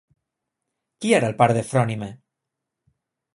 Qui era el pare de Frònime?